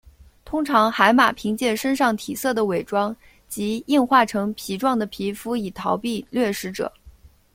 通常海马凭借身上体色的伪装及硬化成皮状的皮肤以逃避掠食者。